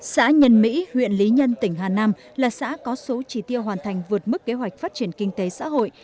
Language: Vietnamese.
xã nhân mỹ huyện lý nhân tỉnh hà nam là xã có số trí tiêu hoàn thành vượt mức kế hoạch phát triển kinh tế xã hội